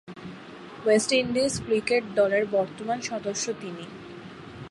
West Indies cricket দলের বর্তমান সদস্য তিনি।